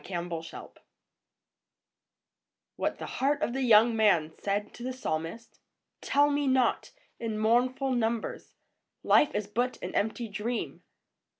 A PSALM OF LIFE. ■WHAT THE HEART OF THE YOUNG MAN SAID TO THE PSALMIST. Tell me not, in mournful numbers, Life is but an empty dream